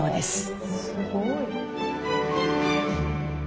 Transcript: すごい。